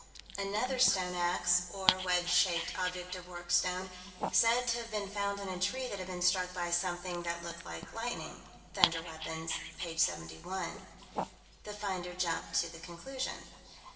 Another stone ax or wedge shaped object of worked stone said to have been found in a tree that had been struck by something that looked like lightning. (Thunder Weapons, p. 71.) The finder jumped to the conclusion.